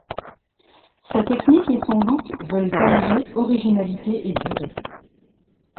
Sa technique et son look veulent allier originalité et durée.